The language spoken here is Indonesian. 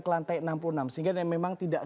ke lantai enam puluh enam sehingga memang tidak